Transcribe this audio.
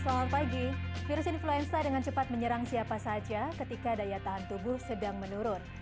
selamat pagi virus influenza dengan cepat menyerang siapa saja ketika daya tahan tubuh sedang menurun